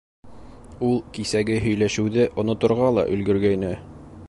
Ул кисәге һөйләшеүҙе оноторға ла өлгөргәйне.